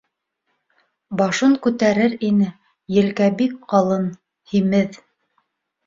— Башын күтәрер ине, елкә бик ҡалын, һимеҙ.